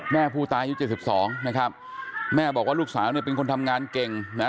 แม่ผู้ตายอายุ๗๒นะครับแม่บอกว่าลูกสาวเนี่ยเป็นคนทำงานเก่งนะ